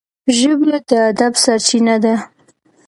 ژبه د ادب سرچینه ده